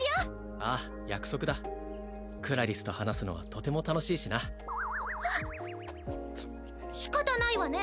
ああ約束だクラリスと話すのはとても楽しいしなし仕方ないわね